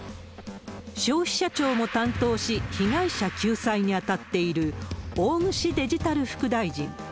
消費者庁も担当し、被害者救済に当たっている大串デジタル副大臣。